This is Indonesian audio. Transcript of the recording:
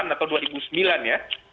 atau dua ribu sembilan ya